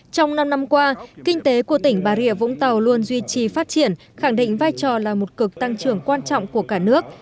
trong năm năm qua kinh tế của tỉnh bà rịa vũng tàu luôn duy trì phát triển khẳng định vai trò là một cực tăng trưởng quan trọng của cả nước